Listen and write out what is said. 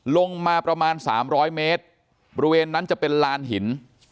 ลงมาประมาณ๓๐๐เมตรบริเวณนั้นจะเป็นลานหิน